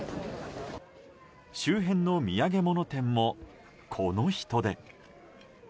周辺の土産物店も、この人出。